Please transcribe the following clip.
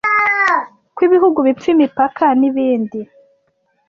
kw’ibihugu bipfa imipaka n’ibindi